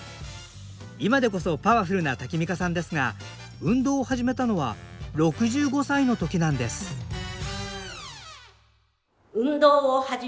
今でこそパワフルなタキミカさんですが運動を始めたのは６５歳の時なんですアッハハハハハ。